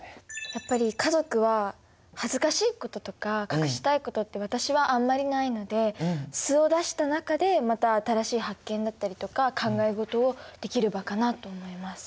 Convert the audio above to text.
やっぱり家族は恥ずかしいこととか隠したいことって私はあんまりないので素を出した中でまた新しい発見だったりとか考え事をできる場かなと思います。